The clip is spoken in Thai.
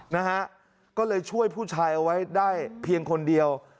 นะฮะก็เลยช่วยผู้ชายเอาไว้ได้เพียงคนเดียว